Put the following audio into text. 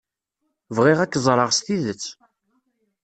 Bɣiɣ ad k-ẓreɣ s tidet.